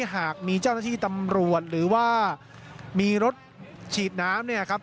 หากมีเจ้าหน้าที่ตำรวจหรือว่ามีรถฉีดน้ำเนี่ยครับ